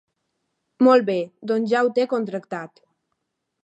Molt bé, doncs ja ho té contractat.